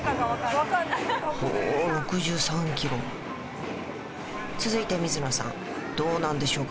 ほう６３キロ続いて水野さんどうなんでしょうか？